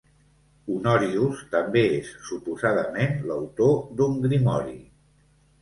Honorius també és suposadament l'autor d'un grimori.